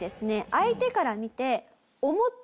相手から見て。